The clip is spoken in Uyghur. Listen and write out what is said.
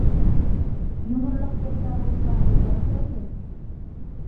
يۇمۇرلۇق گەپلەر بولسا يوللاپ تۇرايلى.